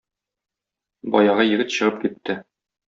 Баягы егет чыгып китте.